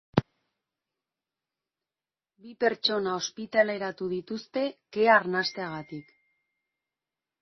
Bi pertsona ospitaleratu dituzte kea arnasteagatik.